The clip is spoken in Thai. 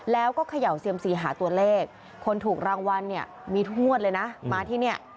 แล้วก็เขย่าเซียมซีหาตัวเลขคนถูกรางวัลเนี่ยมีทุกงวดเลยนะมาที่เนี่ย